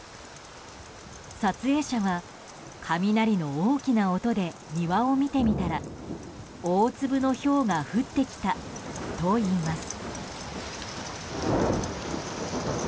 撮影者は雷の大きな音で庭を見てみたら大粒のひょうが降ってきたといいます。